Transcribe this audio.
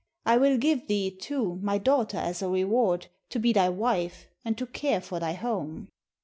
I will give thee, too, my daughter, as a reward, to be thy wife and to care for thy home.'